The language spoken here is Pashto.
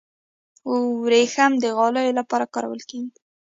وریښم د غالیو لپاره کارول کیږي.